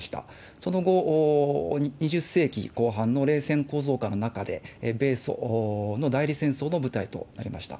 その後、２０世紀後半の冷戦構造化の中で、米ソの代理戦争の舞台となりました。